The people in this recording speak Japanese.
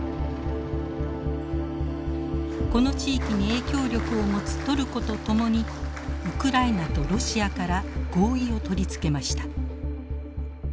この地域に影響力を持つトルコと共にウクライナとロシアから合意を取り付けました。